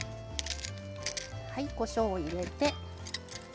こしょうを入れて。